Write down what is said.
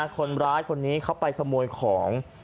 คนร้ายคนนี้เขาไปขโมยของ